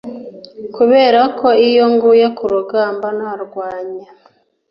Kuberako iyo nguye kurugamba narwanye